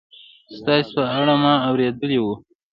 ستاسې په اړه ما اورېدلي و